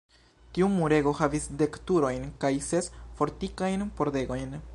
Tiu murego havis dek turojn kaj ses fortikajn pordegojn.